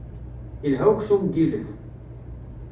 Ilha uksum n yilef.